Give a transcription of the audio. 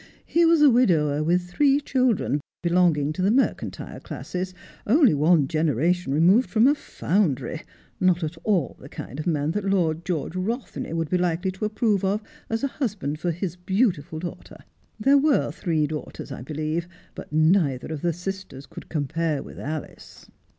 He was a widower with three children, belonging to the mercan tile classes, only one generation removed from a foundry, not at all the kind of man that Lord George Rothney would be likely to approve of as a husband for his beautiful daughter. There were ■Miree daughters I believe, but neither of the sisters could compare with Alice.'